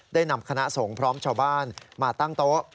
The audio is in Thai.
ได้นำคณะสงฆ์พร้อมชาวบ้านมาตั้งโต๊ะ